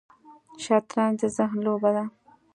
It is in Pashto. شطرنج د ذهن لوبه ده